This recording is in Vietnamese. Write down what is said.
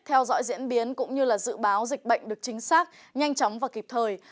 theo dõi diễn biến cũng như dự báo dịch bệnh được chính xác nhanh chóng và kịp thời